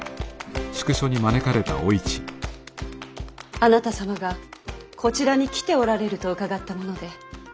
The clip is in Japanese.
あなた様がこちらに来ておられると伺ったもので。